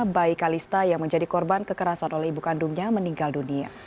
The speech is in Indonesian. bayi kalista yang menjadi korban kekerasan oleh ibu kandungnya meninggal dunia